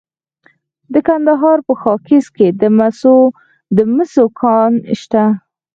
د کندهار په خاکریز کې د مسو کان شته.